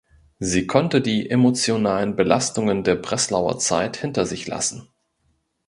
Sie konnte die emotionalen Belastungen der Breslauer Zeit hinter sich lassen.